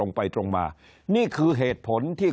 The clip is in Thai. คนในวงการสื่อ๓๐องค์กร